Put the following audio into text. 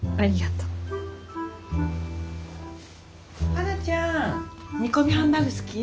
花ちゃん煮込みハンバーグ好き？